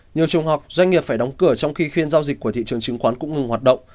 nhiều trường hợp doanh nghiệp phải đóng cửa trong khi phiên giao dịch của thị trường chứng khoán cũng ngừng hoạt động